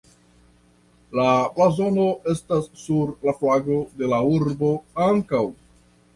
La blazono estas sur la flago de la urbo ankaŭ.